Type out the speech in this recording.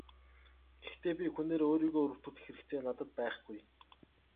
Гэхдээ би хүнээр өөрийгөө өрөвдүүлэх хэрэгцээ надад байхгүй.